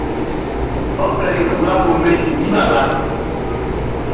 Ɔ klɛli fluwa ko mannin i baba.